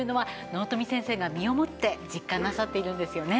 納富先生が身をもって実感なさっているんですよね。